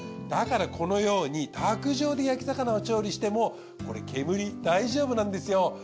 だからこのように卓上で焼き魚を調理しても煙大丈夫なんですよ。